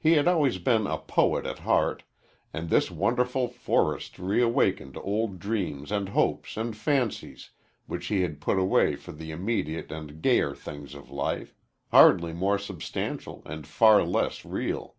He had been always a poet at heart, and this wonderful forest reawakened old dreams and hopes and fancies which he had put away for the immediate and gayer things of life, hardly more substantial and far less real.